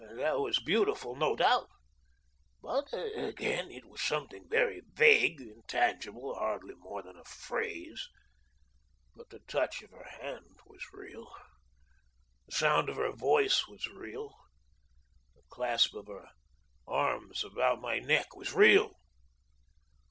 That was beautiful, no doubt. But, again, it was something very vague, intangible, hardly more than a phrase. But the touch of her hand was real, the sound of her voice was real, the clasp of her arms about my neck was real.